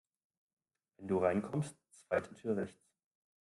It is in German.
Wenn du reinkommst, zweite Tür rechts.